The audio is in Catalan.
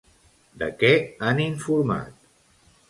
De què han informat?